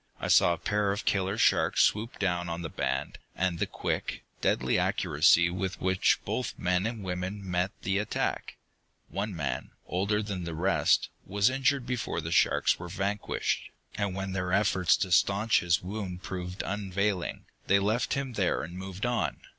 I saw a pair of killer sharks swoop down on the band, and the quick, deadly accuracy with which both men and woman met the attack. One man, older than the rest, was injured before the sharks were vanquished, and when their efforts to staunch his wounds proved unavailing, they left him there and moved on.